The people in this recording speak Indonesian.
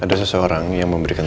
ada seseorang yang memberikan